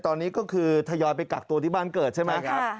ตอนนี้ก็คือทยอยไปกักตัวที่บ้านเกิดใช่ไหมครับ